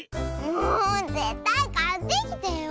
もうぜったいかってきてよ。